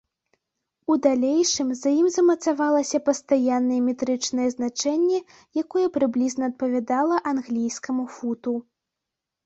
У далейшым за ім замацавалася пастаяннае метрычнае значэнне, якое прыблізна адпавядала англійскаму футу.